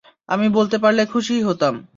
আমি বলতে পারলে খুশিই হতাম।